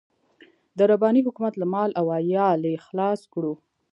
د رباني حکومت له مال او عيال يې خلاص کړو.